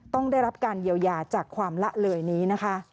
ต้องได้รับการเยียวยาจากความละเลยนี้นะคะ